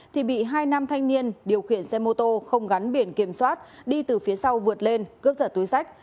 thì bị hai nam thanh niên điều khiển xe mô tô không gắn biển kiểm soát đi từ phía sau vượt lên cướp giật túi sách